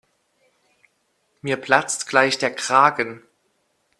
Mir platzt gleich der Kragen.